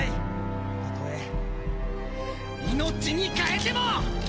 たとえ命に代えても！